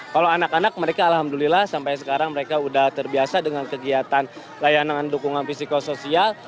kalau anak anak mereka alhamdulillah sampai sekarang mereka sudah terbiasa dengan kegiatan layanan dukungan psikosoial